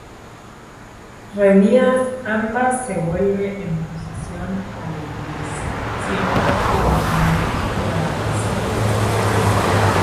Reunidas ambas, se vuelve en procesión a la iglesia, siempre acompañados por la danza.